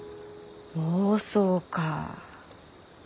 妄想か。